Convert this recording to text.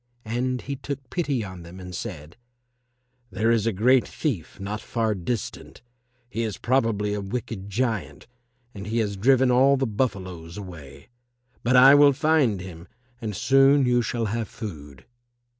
And he took pity on them and said, "There is a great thief not far distant. He is probably a wicked giant, and he has driven all the buffaloes away. But I will find him and soon you shall have food."